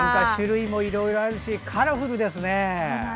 種類もいろいろあるしカラフルですね。